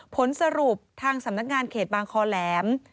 ผลสรุปทางสำนักงานเขตบางคอแหลม